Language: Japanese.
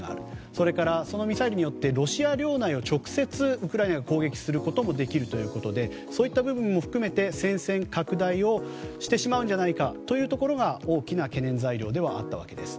それからそのミサイルによって直接、ロシア領内をウクライナが攻撃することもできるということでそういった部分も含めて戦線拡大をしてしまうんじゃないかというところが大きな懸念材料だったわけです。